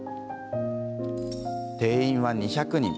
定員は２００人。